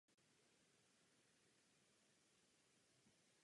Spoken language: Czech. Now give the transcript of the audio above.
Hlavní ústředí s daňovou registrací je v Nizozemsku ve městě Haag.